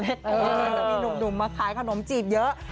จะมีหนุ่มมาขายขนมจีบเยอะ